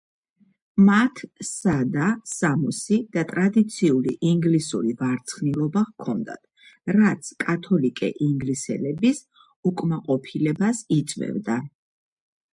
მათ სადა სამოსი და ტრადიციული ინგლისური ვარცხნილობა ჰქონდათ, რაც კათოლიკე ინგლისელების უკმაყოფილებას იწვევდა.